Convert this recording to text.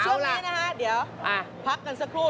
ช่วงนี้นะฮะเดี๋ยวพักกันสักครู่